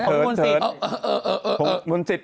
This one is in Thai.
มนศิษย์มนศิษย์